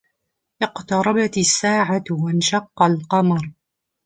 اقْتَرَبَتِ السَّاعَةُ وَانشَقَّ الْقَمَرُ